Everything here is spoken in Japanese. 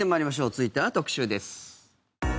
続いては特集です。